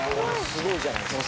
すごいじゃないですか。